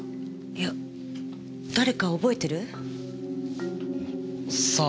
いや誰か覚えてる？さあ？